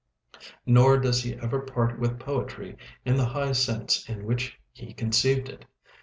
Nor does he ever part with poetry in the high sense in which he conceived it.